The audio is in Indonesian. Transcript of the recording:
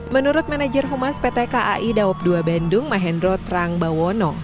menurut manajer humas pt kai daob dua bandung mahendro trang bawono